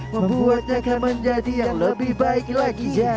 membuatnya akan menjadi yang lebih baik lagi